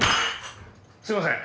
すいません。